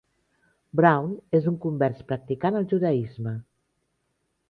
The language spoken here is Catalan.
Brown és un convers practicant al judaisme.